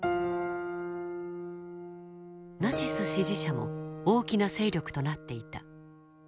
ナチス支持者も大きな勢力となっていた。